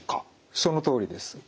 そのとおりです。